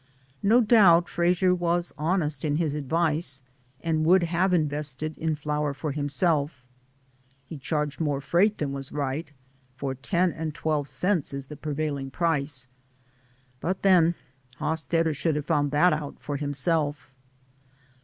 No doubt Frasier was honest in his ad vice, and would have invested in flour for himself. He charged more freight than was right, for ten and twelve cents is the prevail DAYS ON THE ROAD. 19S ing price; but then Hosstetter should have found that out for himself.